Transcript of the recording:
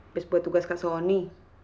habis buat tugas kak soni